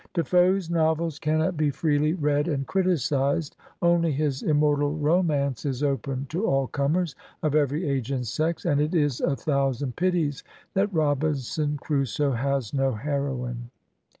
De Foe's novels cannot be freely read and criticised ; only his immortal romance is open to all comers, of every age and sex, and it is a thousand pities that " Robinson Crusoe " has no heroine.